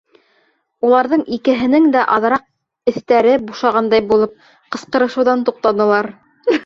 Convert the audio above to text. Уларҙың икеһенең дә аҙыраҡ эҫтәре бушағандай булып, ҡысҡырышыуҙан туҡтанылар.